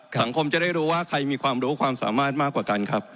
สังคมจะได้รู้ว่าใครมีความรู้ความสามารถมากกว่ากันครับ